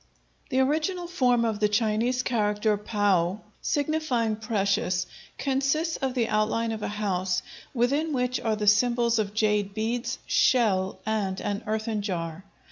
The original form of the Chinese character pao, signifying "precious," consists of the outline of a house, within which are the symbols of jade beads, shell, and an earthen jar.